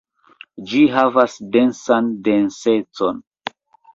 Ĝi havas densan densecon.